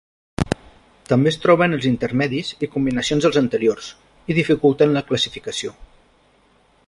També es troben els intermedis i combinacions dels anteriors, i dificulten la classificació.